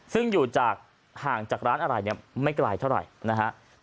ซึ่งห่างจากร้านอะไรไม่ไกลเท่าไหร่